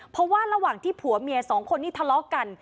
เพราะว่าระหว่างที่ผัวเมียสองคนนี้ทะเลาะกัน